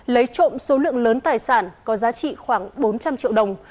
lấy trộm số lượng lớn tài sản có giá trị khoảng bốn trăm linh triệu đồng